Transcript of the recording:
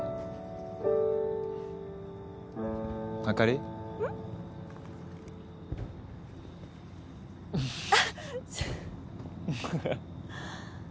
あっ